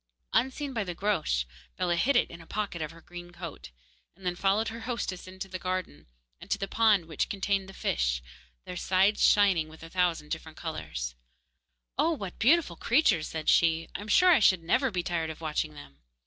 Unseen by the Groac'h, Bellah hid it in a pocket of her green coat, and then followed her hostess into the garden, and to the pond which contained the fish, their sides shining with a thousand different colours. 'Oh! what beautiful, beautiful creatures!' said she. 'I'm sure I should never be tired of watching them.